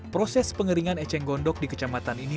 proses pengeringan eceng gondok di kecamatan ini